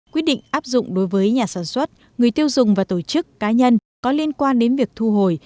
quyết định áp dụng đối với nhà sản xuất người tiêu dùng và tổ chức cá nhân có liên quan đến việc thu hồi